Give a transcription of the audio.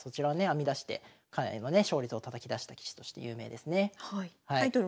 編み出してかなりのね勝率をたたき出した棋士として有名ですね。